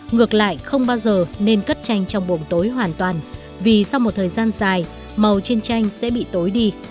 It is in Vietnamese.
ngược lại không bao giờ nên cất tranh trong buồng tối hoàn toàn vì sau một thời gian dài màu trên tranh sẽ bị tối đi